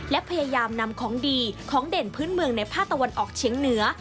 และพยายามนำของดีของเด่นพื้นเมืองในภาคตะวันออกเฉียงเหนือ